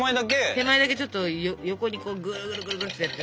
手前だけちょっと横にグルグルグルってやって。